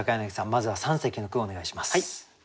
まずは三席の句をお願いします。